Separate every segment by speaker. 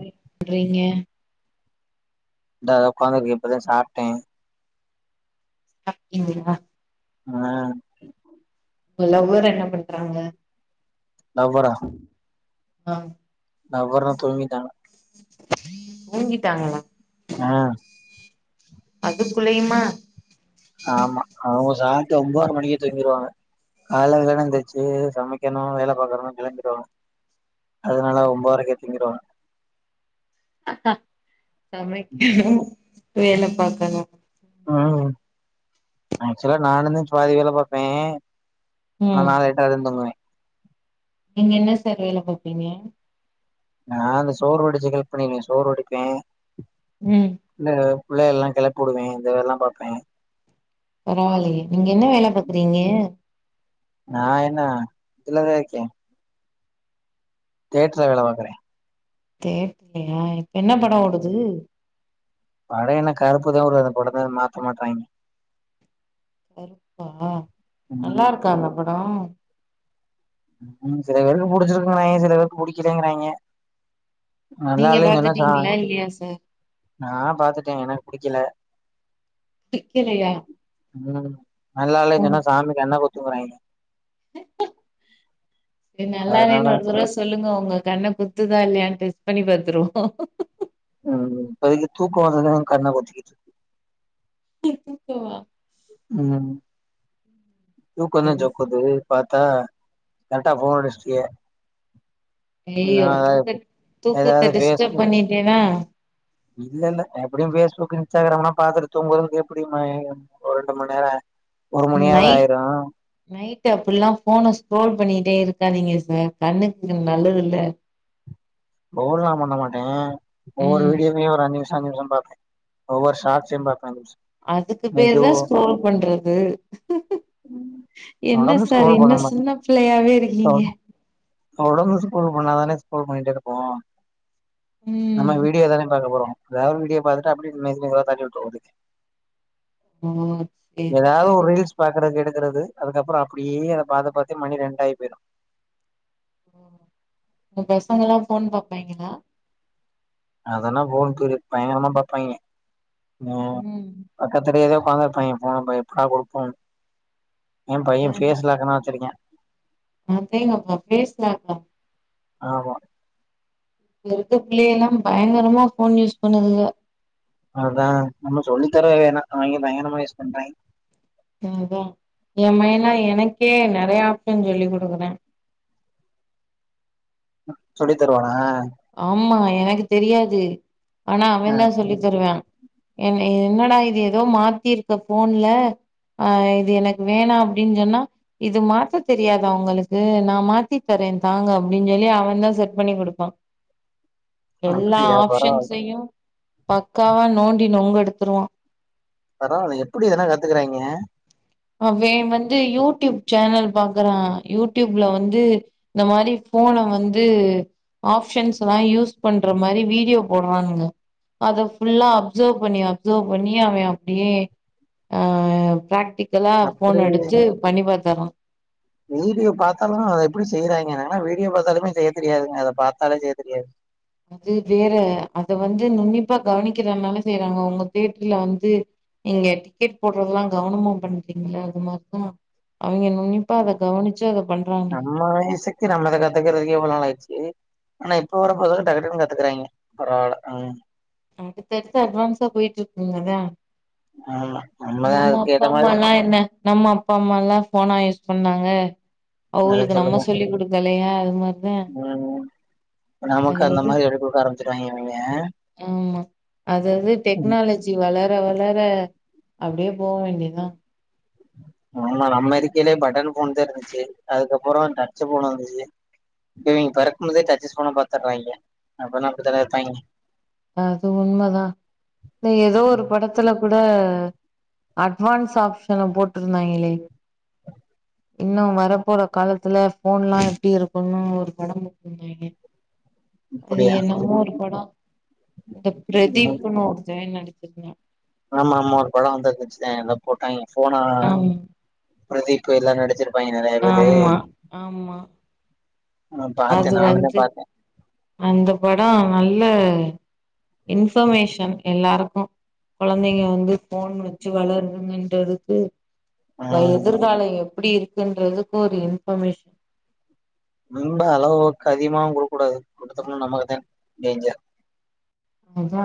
Speaker 1: [inaudible] றீங்க
Speaker 2: இந்தா உக்காந்துருக்கே இப்பதா சாப்ட்டே
Speaker 1: சாப்டீங்களா
Speaker 2: ஆ
Speaker 1: உங்க லவ்வர் என்ன பண்றாங்க
Speaker 2: லவ்வரா
Speaker 1: ஆ
Speaker 2: லவ்வர்லா தூங்கிட்டாங்க
Speaker 1: தூங்கிட்டாங்களா
Speaker 2: ஆ
Speaker 1: அதுக்குள்ளயுமா
Speaker 2: ஆமா அவுங்க ட்டு ஒம்போதர மணிக்கே தூங்கிருவாங்க காலைல வெள்ளனே எந்திருச்சு சமைக்கணு வேல பாக்கணு [unintelligible] அதனாலதா ஒம்பதரைகே தூங்கிருவாங்க.
Speaker 1: [unintelligible] சமைக்கணு வேல பாக்கணு
Speaker 2: ம் ஆக்சுவலா நானுந்தா [unintelligible] வேலை பாப்பே
Speaker 1: ம்
Speaker 2: அதனால லேட்டாதா தூங்குவே
Speaker 1: நீங்க என்ன சார் வேல பாப்பீங்க
Speaker 2: நா அந்த சோறு வடிச்சு [unintelligible] சோறு வடிப்பே
Speaker 1: ம்
Speaker 2: ந்த உள்ள எல்லா கெளப்பி விடுவே இந்த வேலயெல்லா பாப்பேன்
Speaker 1: பரவால்லியே நீங்க என்ன வேல பாக்கறீங்க
Speaker 2: நான் என்ன [unintelligible] இருக்கே தியேட்டருல வேலை பாக்குறே
Speaker 1: தே‌ இல்லியா என்ன படோ
Speaker 2: ம்
Speaker 1: ஓடுது
Speaker 2: படோ என்ன கருப்புதா ஓடுது அந்த படத்த இன்னு மாத்த மாட்றாய்ங்க
Speaker 1: கருப்பா
Speaker 2: ம்
Speaker 1: நல்லா இருக்கா அந்த படோ
Speaker 2: ம் சில பேருக்கு புடிச்சிருக்கு [unintelligible] சில பேருக்கு புடிக்கிலங்கிறாய்ங்க நல்லா
Speaker 1: நீங்க
Speaker 2: இல்லைன்னு சொன்னா‌ ச
Speaker 1: பாத்துட்டீங்களா இல்லையா சார்
Speaker 2: நா பாத்துட்டே எனக் புடிக்கல
Speaker 1: புடிக்கலையா
Speaker 2: அதனாலதா நல்லா இல்லன்னா சொன்னா சாமி கண்ண குத் [unintelligible] ன்
Speaker 1: எய்‌ ப்ப ஏ நல்லா
Speaker 2: அதனால
Speaker 1: இல்லைன்னு ஒரு தடவ சொல்லுங்க உங்க கண்ண குத்துதா இல்லையான்னு டெஸ்ட் பண்ணி பாத்துருவோ
Speaker 2: அது இப்போதைக்கி தூக்கோ வந்ததுக்காக கண்ண குத்திகிச்சி
Speaker 1: [unintelligible]
Speaker 2: ம் தூக்கந்தா சொக்குது பாத்தா கரெக்டா ஃபோனு அடிச்சிட்டிங்க
Speaker 1: ஐயயோ தூக்க தூக்கத்த
Speaker 2: எதாவது பேசு
Speaker 1: டிஸ்டப் பண்ணிட்டனா
Speaker 2: இல்ல இல்ல எப்படியும் ஃபேஸ்புக் இன்ஸ்டாகிராம்லா பாத்துட்டு தூங்கறதுக்கு எப்படியுமு ஒரு ரெண்டு மணி நேரோ ஒரு மணியாது ஆயிரும்
Speaker 1: ட்டு அப்பிடிலா ஃபோன ஸ்க்ரோல் பண்ணிட்டே இருக்காதீங்க சார் கண்ணுக்கு நல்லது இல்ல
Speaker 2: ரோல்லா பண்ண
Speaker 1: ம்
Speaker 2: [inaudible] பாக்கே ஒவ்வொரு ஷாட்ஸயும் பாக்க ஆரம்பிச்சே
Speaker 1: அதுக்கு பேருதா ஸ்க்ரோல் பண்றது என்ன
Speaker 2: தொடர்ந்து
Speaker 1: சார்
Speaker 2: ஸ்க்ரோல் பண்ண
Speaker 1: இன்னு
Speaker 2: மா
Speaker 1: சின்னப் பிள்ளையாவே இருக்கீங்க
Speaker 2: உடனே ஸ்க்ரோல் பண்ணாதானே ஸ்க்ரோல் பண்ணிட்டே இருப் நம்ம
Speaker 1: ம்
Speaker 2: வீடியோ தானே பாக்கப் போறோ ரா வீடியோ பாத்துட்டு அப்டியே மெதுமெதுவா தள்ளி விட்ருவே
Speaker 1: ஓ சேரி
Speaker 2: ஏதாவது ஒரு
Speaker 1: சேரி
Speaker 2: ரீல்ஸ் பாக்குறக்கு எடுத் க்கிறது அதுக்கப்புறோ அப்படியே அத பாத்து பாத்தே மணி ரெண்டு ஆயிப்போயிரு
Speaker 1: ம் உங்க பசங்கல்லா எல்லாம் ஃபோன் பாப்பாய்ங்களா
Speaker 2: அதெல்லா ஃபோன் [unintelligible] பயங்கரமா பாப்பாய்ங்க ஆ
Speaker 1: ம்
Speaker 2: பக்கத்துலயேதா [unintelligible] ஏன் பையன் பேஸ் லாக்கெல்லா வச்சுருக்கா
Speaker 1: அடேங்கப்பா ஃபேஸ்லாக்கா
Speaker 2: ஆமா
Speaker 1: இதுல இருக்க பிள்ளைகல்லா பயங்கரமா ஃபோன் யூஸ் பண்ணுதுக
Speaker 2: அதான் நம்ம சொல்லித் தரவே வேணா அவிங்களே பயங்கரமா யூஸ் பண்ணிட்டாய்ங்க
Speaker 1: ம் அதா ஏன் மய எல்லா எனக்கே நறைெய ஆப்ஷன் சொல்லிக் குடுக்குறா
Speaker 2: அ சொல்லித் தருவானா
Speaker 1: ஆமா எனக்கு தெரியாது ஆனா
Speaker 2: ஆ
Speaker 1: அவந்தா சொல்லித் தருவா எனக் என்னடா இது ஏதோ மாத்திருக்க ஃபோன்ல ஆ இது எனக்கு வேணா அப்டின்னு சொன்னா இது மாத்த தெரியாதா உங்களுக்கு நான் மாத்தி தறேன் தாங்க அப்டின்னு சொல்லி அவந்தா செட் பண்ணி குடுப்பா எல்லா
Speaker 2: அப்டியா பரவால
Speaker 1: ஆப்ஷன்ஸையு பக்காவா நோண்டி நொங்க எடுத்துருவா
Speaker 2: பரவால்ல எப்பிடி இதல்லா கத்துக்குறாய்ங்க
Speaker 1: அவே வந்து யூடியூப் சேனல் பாக்குறா யூடியூப்ல வந்து இந்த மாரி ஃபோனை வந்து ஆப்ஷன்ஸ் எல்லா யூஸ் பண்ற மாரி வீடியோ போடுறானுங்க அத ஃபுல்லா அப்சர்வ் பண்ணி -அப்சர்வ் பண்ணி அவ அப்டியே ஆ பிராக்டிக் இதெல்லா ஃபோன்
Speaker 2: அப்டி
Speaker 1: அடிச்சு பண்ணிப் பாத்தர்றா
Speaker 2: வீடியோ பாத்தாலு அத எப்பிடி செய்யறாய்ங்க நானெல்லா வீடியோ பாத்தாலுமே செய்யத் தெரியாதுங்க அத பாத்தாலே செய்யத் தெரியாது
Speaker 1: அது வேற அத வந்து நுன்னிப்பா கவனிக்கறனால செய்யறாங்க உங்க தியேட்டர்ல வந்து நீங்க டிக்கெட் போடுறதெல்லா கவனமா பண்றீங்கல்ல அது மாரிதா அவிங்க நுன்னிப்பா
Speaker 2: ம்
Speaker 1: அத கவனிச்சு அத பண்றாங்க
Speaker 2: நம்ம வயசுக்கு நம்ம இத கத்துக்கறதுக்கு எவ்ளோ நாளாச்சு ஆனா இப்ப வர பயலுக டக்கு ட்டுன்னு கத்துக்குறாய்ங்க பரவால்ல ம்
Speaker 1: அடுத்தடுத்து அட்வான்ஸா போயிட்ருக்குங்களா
Speaker 2: ஆமா நம்மதா அதுக்கேத்த மாரி
Speaker 1: அம்மாலா என்ன நம்ம அப்பா அம்மா எல்லா ஃபோனா யூஸ் பண்ணாங்க அவுங்களுக்கு நம்ம சொல்லி் குடுக்க இல்லையா அது மார்
Speaker 2: ம் ம் இப்ப நமக்கும் அந்த
Speaker 1: அதாது
Speaker 2: மாரி [unintelligible] ஆரம்பிச்சி [unintelligible]
Speaker 1: ஆமா அது அது டெக்னாலஜி வளர் ர வளர அப்டியே போக வேண்டியதுதா
Speaker 2: ஆமா நம்ம இருக்கையிலயே பட்டன் ஃபோன்தா இருந்துச்சு அதுக்கப்புறோ டச்சு ஃபோனு வந்துச்சு இப்ப இவிங்க பெறக்கும் போதே டச்சு போன பாத்துடுறாய்ங்க [unintelligible] அப்டிதான இருப்பாங்கே
Speaker 1: அது உண்மதா இல்ல ஏதோ ஒரு படத்துல கூட் ந்த அட்வான்ஸ் ஆப்ஷன போட்ருந்தாங்களே இன்னு வரப்போற காலத்துல ஃபோன்லா எப்டி இருக்கும்னு ஒரு படம் போட்ருந்தாங்க அது
Speaker 2: அப்டியா
Speaker 1: என்னமோ ஒரு படோ இந்த பிரதீப்னு ஒருத்த [unintelligible]
Speaker 2: ஆமா-ஆமா ஒரு படோ வந்துருந்துச்ல அத போட்டாங்கே சோனா பிரதீப்பு எல்லா நடிச்
Speaker 1: ஆமா-ஆமா
Speaker 2: ஆ பாத்தே நானுமே பாத்தே
Speaker 1: அந்த படோ நல்ல இன்ஃபர்மேஷன் எல்லாருக்கு குழந்தைங்க வந்து ஃபோன் வச்சு வளருதுங்கன்றதுக்கு ப்ப
Speaker 2: ம்
Speaker 1: எதிர்கால எப் எப்டி இருக்குன்றதுக்கு ஒரு இன்ஃபர்மேஷன்
Speaker 2: ரொம்ப அளவுக்கு அதிகமாவு குடுக்கக்கூடாது கொடுத்தம்னா நமக்குத்தே டேஞ்சர்
Speaker 1: அதா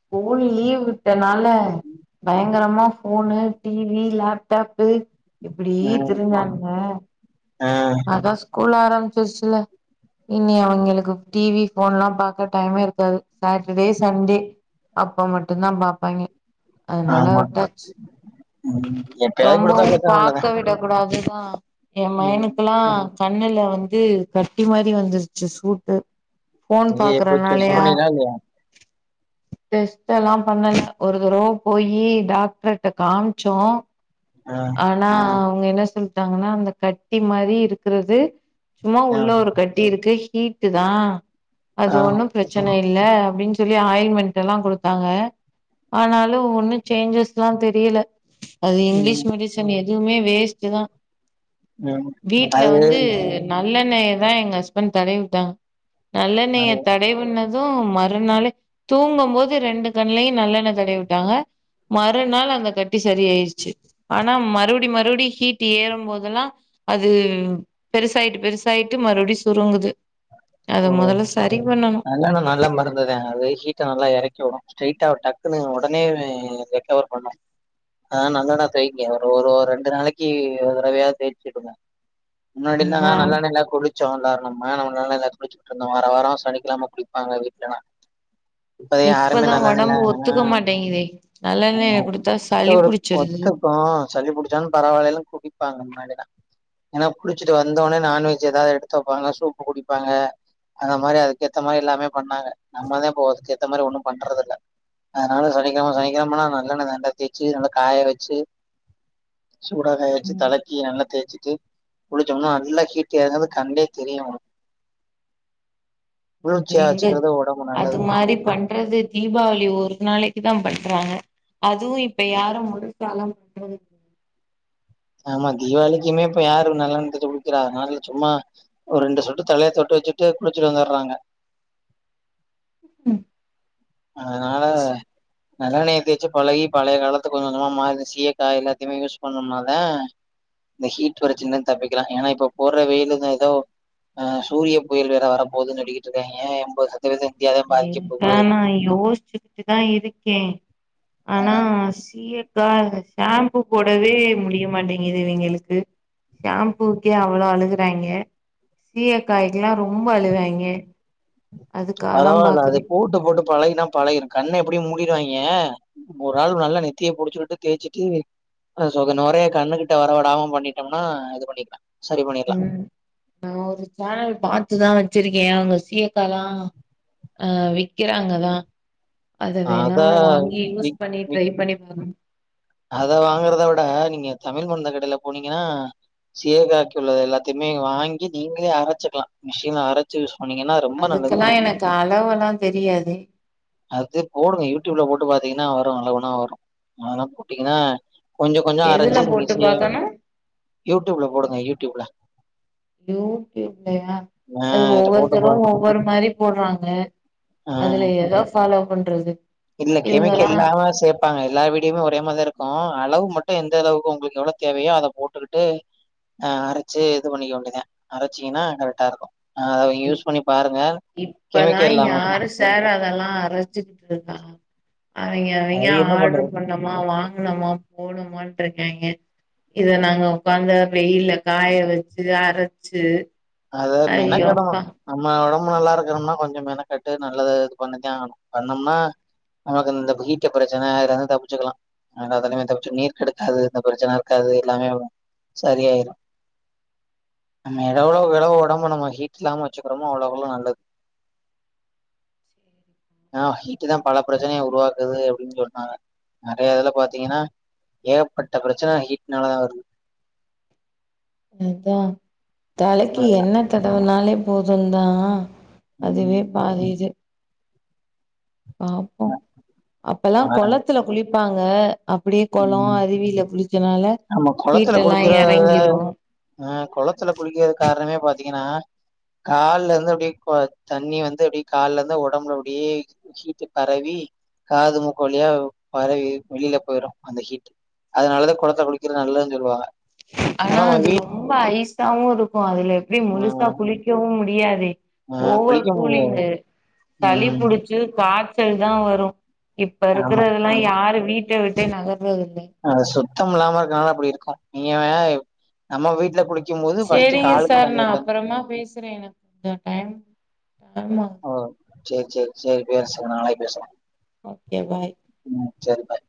Speaker 1: ஸ்கூல் லீவ் விட்டனால பயங்கரமா ஃபோனு டிவி லேப்டாப்பு இப்டி
Speaker 2: ம்
Speaker 1: திரிஞ்சானுங்க
Speaker 2: ஆ
Speaker 1: அதான் ஸ்கூல் ஆர [unintelligible] இனி அவுங்களுக்கு டிவி ஃபோன் எல்லா பாக்க டைமே இருக்காது சாட்டர்டே சண்டே அப்ப மட்டுந்தா பாப்பாங்கே அதுனால
Speaker 2: ஆமா
Speaker 1: விட்டாச்சு
Speaker 2: ம் எப்பயாவது குடுத்தா [unintelligible]
Speaker 1: அதுதா ஏன்
Speaker 2: ம்
Speaker 1: மயனுக்கெல்லா கண்ணுல வந்து கட்டி மாரி வந்துருச்சு சூட்டு போன்
Speaker 2: நீ இப்ப டெஸ்ட்
Speaker 1: பாக்குறனாலயா
Speaker 2: பண்ணீங்களா இல்லையா
Speaker 1: டஸ்ட் எல்லா பண்ணல ஒரு தடவை போயி டாக்டரிட்ட காம் ச்சோ
Speaker 2: ஆ
Speaker 1: ஆனா அவங்க என்ன சொல்டாங்கன்னா அந்த கட்டி மாரி இருக்குறது சும்மா
Speaker 2: ஆ
Speaker 1: உள்ள ஒரு கட்டி இருக்கு தீட்டு தா அது
Speaker 2: ஆ
Speaker 1: ஒன்னு பிரச்சன இல்ல அப்டின்னு சொல்லி ஆயின்மெண்ட் எல்லா கொடுத்தாங்க ஆனாலு ஒண்ணும் சேஞ்சஸ்லா தெரியல அது இங்கிலீஷ்
Speaker 2: ம்
Speaker 1: எதுவுமே வேஸ்ட் தா
Speaker 2: உம் அது
Speaker 1: நல்லெண்ணையதா எங்க ஹஸ்பண்ட் தடவி விட்டாங்க நல்ல நீங்க
Speaker 2: அது
Speaker 1: தடை பண்ணது அ மறுநாளே தூங்கும் போது ரெண்டு கண்லையும் நல்லெண்ண தடையவிட்டாங்க மறுநாள் அந்த கட் ட்டி சரி ஆயிருச்சு ஆனா மறுபடி மறுபடி ஹீட் ட்டி ஏறும்போதெல்லா அது பெருசாயிட்டு பெருசாயிட்டு மறுபடியு சுருங்குது அத
Speaker 2: ஓ
Speaker 1: மொதல்ல சரி பண்ணனு
Speaker 2: நல்லெண்ண நல்ல மருந்துதாங்க அது ஹீட்ட நல்லா எறக் க்கு ஸ்ட்ரெய்ட்டா டக்குன்னு ஒடனே ரெக்கவர் பண்ணும் அதனால நல்லெண்ண தேய்ங்க ஒரு ஒரு ரெண்டு நாளைக்கி ஒரு தடவையாது தேய்ச்சி விடுங்க முன்னாடிலா
Speaker 1: அதா
Speaker 2: நல்லெண்ணைல குளிச்சோ எல்லாரு ஆ நம்ம நல்லா புடிச்சிட்டு இருந்தோம் வர வாரம் சனிக்கலாம குளிப்பாங்க வீட்டுலன்னா இப்பத யாருமே
Speaker 1: இப்பதா
Speaker 2: நல்லண்ணு இல்ல
Speaker 1: ஒடம்பு ஒத்துக்க மாட்டேங்குதே நல்லெண்ணெய குடுத்தா சளி
Speaker 2: ஒரு
Speaker 1: புடிச்சிருது
Speaker 2: ஒத்துக்கும் சல்லி புடிச்சாலும் பரவாயில்லனு எல்லும் குடிப்பாங்க முன்னாடி ஏன்னா குளிச்சிட்டு வந்தோடனே நான்வெஜ் ஏதாவது எடுத்து வப்பாங்க சூப் [unintelligible] குடிப்பாங்க அந்த மாரி அதுக்கேத்த மாரி எல்லாமே பண்ணாங்க நம்மதா இப்போ அதுக்கேத்த மாதிரி ஒண்ணும் பண்றது இல்லை அதனால சனிக்கிழம- சனிக்கிழமனா நல்லெண்ண [unintelligible] தேய்ச்சு நல்லா காய வச்சு சூடா காய வச்சு தலக்கி நல்லா தேய்ச்சிட்டு குளிச்சோனா நல்லா ஹீட்டு எறங்கறது கண்லயே தெரியு [unintelligible] குளிர்ச்சியா
Speaker 1: இங்க
Speaker 2: வச்சுக்கிறது ஒடம்பு நல்லது
Speaker 1: அது மாரி பண்றது தீபாவளி ஒரு நாளைக் தான் பண்றாங்க அதுவும் இப்ப யாரும் முழுசாலம் பண்றது
Speaker 2: ஆமா தீபாவளிக்குமே இப்ப யாரு நல்லண்ண தெச்சி குளிக்கிறாக அதனால சும்மா ஒரு ரெண்டு சொட்டு தலையை தொட்டு வச்சுட்டு குளிச்சுட்டு வந்துடுறாங்க
Speaker 1: உம்
Speaker 2: அதனால நல்லெ நய தேயச்சு பழகி பழைய காலத்து கொஞ்சம் கொஞ்சமா மா சீய காய் எல்லாத்தையுமே யூஸ் பண்ணோம்ன தான் இந்த ஹீட் வரச்சல்ன்னு தப்பிக்கலாம் ஏன்னா இப்ப போடுற வெயிலான் ஏதோ ஆஹ் சூரிய புயல் வேற வர போகுதுன்னு நடிக்கிட்டு இருக்காங்க என்து இந்த இந்தியாவ தான் பாதிக்கப் போகுது
Speaker 1: ஆ நா யோசிச்சுக்கிட்டு தான் இருக்கேன்
Speaker 2: அ
Speaker 1: ஆனா சீயக்கா ஷாம்பூ போடவே முடியமாட்டேங்குது இவிங்களுக்கு. ஷாம்பூக்கே அவ்ளோ அழுகுறாய்ங்க சீயக்காய்கெல்லாம் ரொம்ப அழுவாய்ங்க அது
Speaker 2: பரவால்ல அது போட்டு போட்டு பழகினா பழகிரும் கண்ண எப்டியும் மூடிருவாய்ங்கே ஒரு ஆள் நல்லா நெத்திய புடிச்சுட்டு தேய்ச்சிட்டு [unintelligible] நொரைய கண்ணுக்கிட்ட வரவிடாம இது பண்ணிட்டோம்னா இது பண்ணிக்கலா சரி பண்ணிடலா
Speaker 1: ம் நா ஒரு சேனல் பாத் பாத்துதா வச்சிருக்கே அவுங்க சீயக்காயலாம் ஆ விக்கிறாங்கதா அத வேண்ணா
Speaker 2: அதா
Speaker 1: வாங்கி யூஸ்
Speaker 2: விக்
Speaker 1: பண்ணி
Speaker 2: விக்
Speaker 1: ட்ரை பண்ணி பாக்கணு
Speaker 2: அத வாங்குறத விட நீங்க தமிழ் மருந்து கடையில போனீங்கன்னா சீயக்காத்தூளு எல்லாத்தையுமே வாங்கி நீங்களே அரைச்சுக்கலா மிஷின்ல அரைச்சு பண்ணீங்கன்னா ரொம்ப நல்லது
Speaker 1: அதுக்கெல்லா எனக்கு அளவெல்லா தெரியாது
Speaker 2: அது போடுங்க யூடியூப்ல போட்டு பாத் [unintelligible] வரு எல்லா ஒன்னா வரும் [unintelligible] டீங்கனா கொஞ்ச-கொஞ்ச
Speaker 1: எதுல
Speaker 2: அரைச்சு நீங்க
Speaker 1: போட்டு
Speaker 2: செய்ய
Speaker 1: பாக்கணு
Speaker 2: யூடியூபுல போடுங்க யூடியூபுல
Speaker 1: யூடியூப்லயா
Speaker 2: ஆ
Speaker 1: அது
Speaker 2: இத போட்டு போ
Speaker 1: ஒவ்வொருத்தரு ஒவ்வொரு மாதிரி போடுறாங்க
Speaker 2: ஆ
Speaker 1: அதுல எதா ஃபாலோப் பண்றது
Speaker 2: இல்ல
Speaker 1: இவங்கல்லா
Speaker 2: கெமிக்கல் இல்லாம சேப்பாங்க எல்லா வீடியோமே ஒரே மாதிரிதா இருக்கு அளவு மட் து எந்த அளவுக்கு உங்களுக்கு எவ்ளவு தேவையோ அத போட்டுக்கிட்டு ஆ அரைச்சு இது பண்ணிக்க வேண்டியதுதா அரைச்சீங்கன்னா கரெக்டா இருக்கு ஆ அத யூஸ் பண்ணி பாருங்க.
Speaker 1: இப்பல்லா
Speaker 2: கெமிக்கல் இல்லாம தான்.
Speaker 1: யாரு சார் அதெல்லா அரைச்சிட்ருக்கா அவிங்க-அவிங்க
Speaker 2: அது என்ன
Speaker 1: ஆர்டரு
Speaker 2: பண்றது?
Speaker 1: பண்ணமா வாங்குனமா போணமான்ட்டு ஏங்க இத நாங்க உக்காந்து வெயில்ல காய வச்சு அரைச்சு
Speaker 2: அது மெனக்கெடணு [unintelligible] நம்ம நல்லா இருக்கணுன்னா கொஞ்ச மெனக்கெட்டு நல்லது இது பண்ணித்தா ஆகணு பண்ணோம்னா நமக்கு இந்த ஹீட் பிரச்சன இதலிருந்து தப்பிச்சிக்கலா [unintelligible] நீர் கடுக்காது இந்த பிரச்சனை இருக்காது எல்லாமே வரும் சரியாயிரு நம்ம எவ் ளவு ஒடம்ப நம்ம ஹீட் இல்லாம வச்சுக்கிறோமோ அவ்ளவளவு நல்லது ஆ ஹீட்டுதா பல பிரச்சனைய உருவாக்குது அப்டின்னு சொன்னாங்க நெறைய இதுல பாத்தீங்கன்னா ஏகப்பட்ட பிரச்சனை ஹீட்னாலதா வருது
Speaker 1: அதான் தலைக்கி என்ன தடவுனாலே போதும்தா அதுவே
Speaker 2: ம்.
Speaker 1: பாதி இது பாப்போ அப்பல்லா கொளத்துல குளி ப்பாங்க
Speaker 2: நம்ம நம்ம கொளத்துல
Speaker 1: ஹீட்டெல்லாம்
Speaker 2: குளிக்கிற
Speaker 1: எறங்கிரும்
Speaker 2: ஆ கொளத்துல குளிக்கறதுக்கு காரணமே பாத்தீங்க ஏன்னா கால்ல இருந்து அப்டியே கொ தண்ணி வந்து அப்டியே கால்ல இருந்து ஒடம்புல அப்டியே ஹீட்டு பரவி காது மூக்கு வழியா பரவி வெளியில போயிரு அந்த ஹீட் அதனாலதா கொளத்துல குளிக்கிறது நல்லதுன்னு சொல்வாங்க
Speaker 1: ஆனா அது ரொம்ப ஐஸாவு இருக்கும் அதுல எப்டி
Speaker 2: ஆ
Speaker 1: முழுசா குளிக்கவும் முடி தெரியாது
Speaker 2: ஆ
Speaker 1: ஓவர்
Speaker 2: குளிக்க முடியாது.
Speaker 1: கூலிங்கு சளி
Speaker 2: ம்.
Speaker 1: புடிச்சு காச் ச்செல்தா வரு இப்ப
Speaker 2: ஆமா.
Speaker 1: இருக்கறதெல்லாம் யாரு வீட் [unintelligible]
Speaker 2: அ சுத்தம் இல்லாம இருக்கனால அப்டி இருக்கும் நீங்க நம்ம வீட்டுல குளிக்
Speaker 1: செரிங்க சார் நான் அப்புறமா பேசுறேன் எனக்கு கொஞ்சம் டைம் ஆமா
Speaker 2: சரி-சரி-சரி பே சார் நான நாளைக்கு பேசுறேன்
Speaker 1: ஓகே பாய்
Speaker 2: செரி பாய்